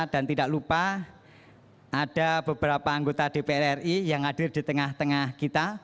dan tidak lupa ada beberapa anggota dpr ri yang hadir di tengah tengah kita